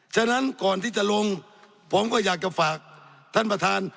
ฉะนั้นก่อนที่จะลงผมก็อยากจะฝากท่านประธาน